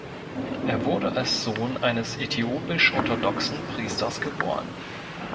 Er wurde als Sohn eines äthiopisch-orthodoxen Priesters geboren.